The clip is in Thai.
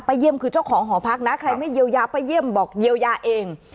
เยี่ยมคือเจ้าของหอพักนะใครไม่เยียวยาไปเยี่ยมบอกเยียวยาเอง